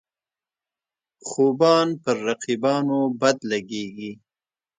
خوبان پر رقیبانو بد لګيږي.